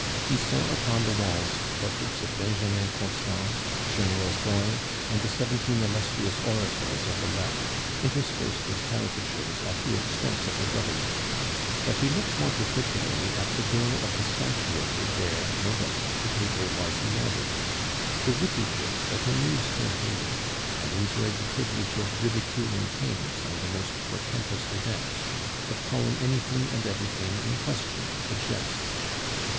He saw upon the walls the portraits of Benjamin Constant, General Foy, and the seventeen illustrious orators of the Left, interspersed with caricatures at the expense of the Government; but he looked more particularly at the door of the sanctuary where, no doubt, the paper was elaborated, the witty paper that amused him daily, and enjoyed the privilege of ridiculing kings and the most portentous events, of calling anything and everything in question with a jest.